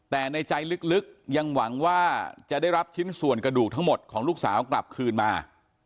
แต่ในใจลึกยังหวังว่าจะได้รับชิ้นส่วนกระดูกทั้งหมดของลูกสาวกลับคืนมา